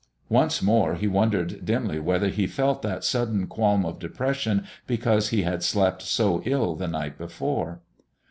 Once more he wondered dimly whether he felt that sudden qualm of depression because he had slept so ill the night before.